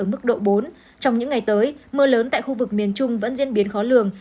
mưa lớn tại khu vực miền trung vẫn diễn biến khó lường